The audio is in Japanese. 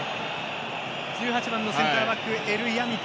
１８番のセンターバックエルヤミク。